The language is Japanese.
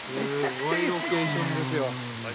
すごいロケーションですよ。